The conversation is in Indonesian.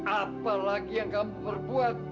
apa lagi yang kamu berbuat